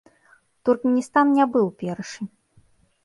Туркменістан не быў першы.